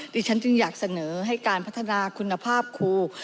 ดิฉันจึงอยากเสนอให้การพัฒนาคุณภาพครู